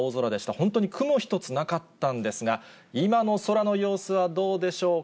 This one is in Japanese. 本当に雲一つなかったんですが、今の空の様子はどうでしょうか。